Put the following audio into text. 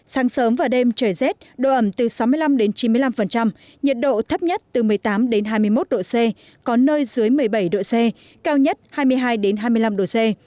sáng sớm và đêm trời rét độ ẩm từ sáu mươi năm chín mươi năm nhiệt độ thấp nhất từ một mươi tám hai mươi một độ c có nơi dưới một mươi bảy độ c cao nhất hai mươi hai hai mươi năm độ c